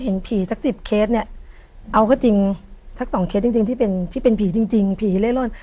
เห็นผีสักสิบเคสเนี่ยเอาก็จริงสักสองเคสจริงที่เป็นที่เป็นผีจริงผีเล่ร่อน